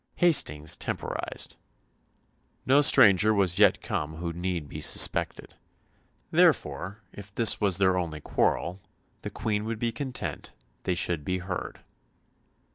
Hastings temporised. No stranger was yet come who need be suspected. Therefore, if this was their only quarrel, the Queen would be content they should be heard.